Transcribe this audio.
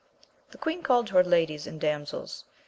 The queen called to her ladies and damsels.